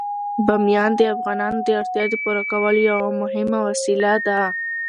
بامیان د افغانانو د اړتیاوو د پوره کولو یوه مهمه وسیله ده.